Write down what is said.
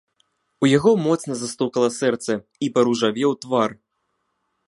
У яго моцна застукала сэрца і паружавеў твар.